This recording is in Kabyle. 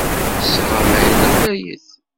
Tesɣamay-d ɣlayet.